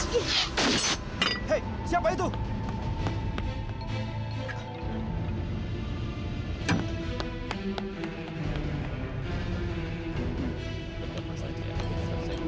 dia sudah mengkhianati aku